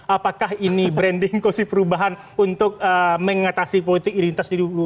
apakah ini branding ekosistem perubahan untuk mengatasi politik identitas di dua ribu empat